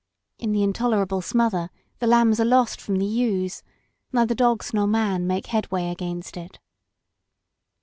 In the intolerable smother the lambs are lost from the ewes; neither dogs nor man make headway against it.